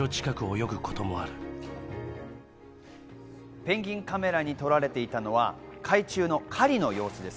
ペンギンカメラに撮られていたのは海中の狩りの様子です。